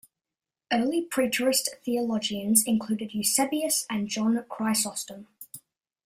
Early Preterist theologians included Eusebius and John Chrysostom.